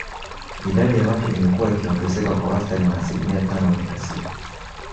Idadi ya watu imekua ikiongezeka kwa wastani wa asilimia tano nukta sita